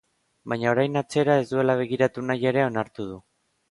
Baina orain atzera ez duela begiratu nahi ere onartu du.